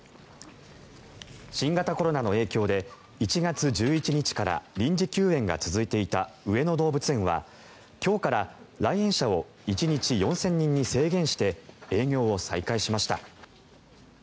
新型コロナの影響で１月１１日から臨時休園が続いていた上野動物園は今日から来園者を１日４０００人に制限して営業を再開しました。